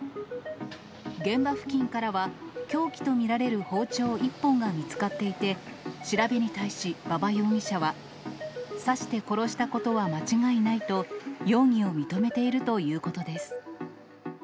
現場付近からは、凶器と見られる包丁１本が見つかっていて、調べに対し馬場容疑者は、刺して殺したことは間違いないと、容疑を認めているということです。